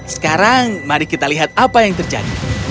sekarang mari kita lihat apa yang terjadi